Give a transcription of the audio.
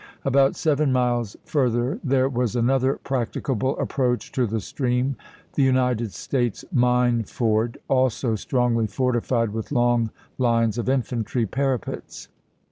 About seven miles fur ther there was another practicable approach to the stream, the United States Mine Ford, also strongly fortified with long lines of infantry parapets.